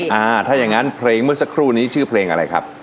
ถ้าอย่างนั้นเพลงเมื่อสักครู่นี้ชื่อเพลงอะไรครับ